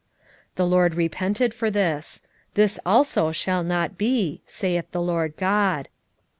7:6 The LORD repented for this: This also shall not be, saith the Lord GOD.